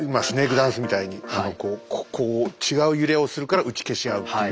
ダンスみたいにこう違う揺れをするから打ち消し合うっていう。